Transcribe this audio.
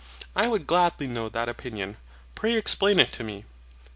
I would gladly know that opinion: pray explain it to me.